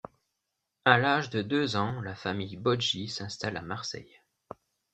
À l'âge de deux ans, la famille Bodji s'installe à Marseille.